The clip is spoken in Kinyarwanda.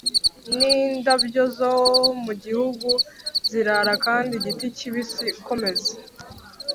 nindabyo zo mugihugu zirara kandi igiti kibisi komeza.